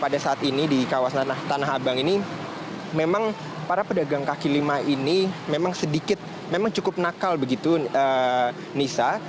pada saat ini di kawasan tanah abang ini memang para pedagang kaki lima ini memang sedikit memang cukup nakal begitu nisa